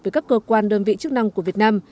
với các cơ quan đơn vị chức năng của việt nam